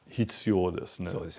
そうですね。